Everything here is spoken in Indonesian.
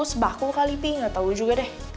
sebahku kali pih gak tau juga deh